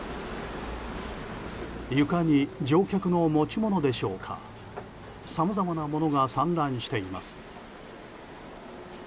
床に乗客の持ち物でしょうかさまざまなものが散乱しています。